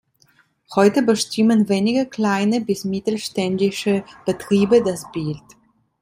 Heute bestimmen wenige kleine bis mittelständische Betriebe das Bild.